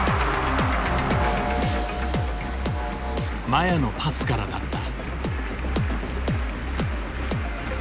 麻也のパスからだった。